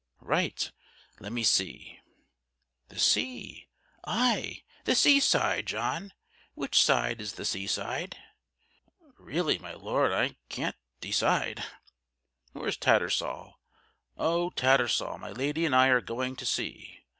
"Right: let me see. The sea? aye, the sea side. John, which side is the sea side?" "Really, my Lord, I can't de cide!" "Where's Tattersall? O Tattersall, my Lady and I are going to sea.